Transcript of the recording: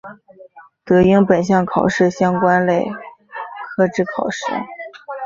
得应本项考试相关类科之考试。